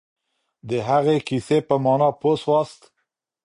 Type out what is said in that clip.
د هغې کیسې په مانا پوه سواست؟